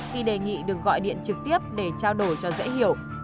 khi đề nghị được gọi điện trực tiếp để trao đổi cho dễ hiểu